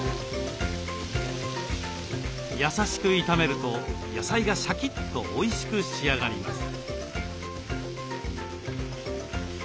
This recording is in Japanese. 優しく炒めると野菜がシャキッとおいしく仕上がります。